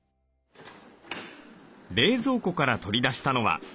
冷蔵庫から取り出したのは。